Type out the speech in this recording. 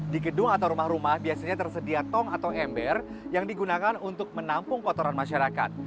di gedung atau rumah rumah biasanya tersedia tong atau ember yang digunakan untuk menampung kotoran masyarakat